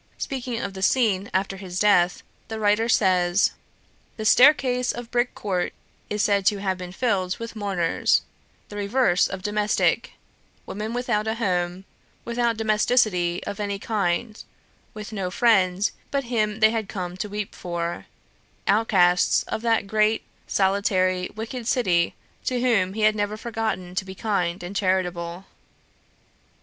Speaking of the scene after his death, the writer says: "The staircase of Brick Court is said to have been filled with mourners, the reverse of domestic; women without a home, without domesticity of any kind, with no friend but him they had come to weep for; outcasts of that great, solitary, wicked city, to whom he had never forgotten to be kind and charitable."